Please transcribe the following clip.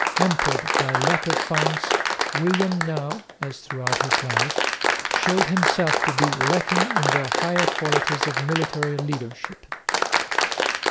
Hampered by lack of funds William now, as throughout his life, showed himself to be lacking in the higher qualities of military leadership.